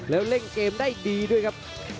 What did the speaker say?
แล้วเล่นเกมได้ดีด้วยครับ